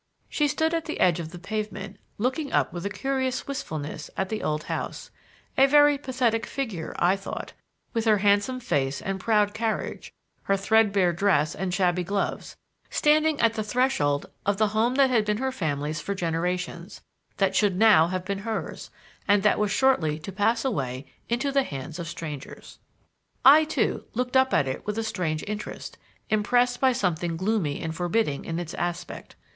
She stood at the edge of the pavement looking up with a curious wistfulness at the old house; a very pathetic figure I thought, with her handsome face and proud carriage, her threadbare dress and shabby gloves, standing at the threshold of the home that had been her family's for generations, that should now have been hers, and that was shortly to pass away into the hands of strangers. I, too, looked up at it with a strange interest, impressed by something gloomy and forbidding in its aspect.